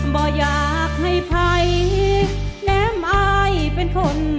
บ่อยากให้ภัยแน้มอายเป็นคน